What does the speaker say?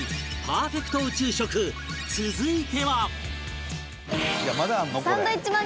パーフェクト宇宙食続いては